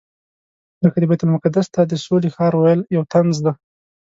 لکه د بیت المقدس ته د سولې ښار ویل یو طنز دی.